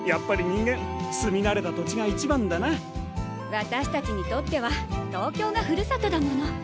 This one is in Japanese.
私たちにとっては東京がふるさとだもの。